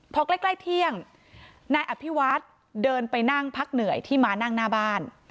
พอใกล้ใกล้เที่ยงนายอภิวัฒน์เดินไปนั่งพักเหนื่อยที่มานั่งหน้าบ้าน